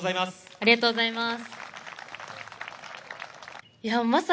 ありがとうございます。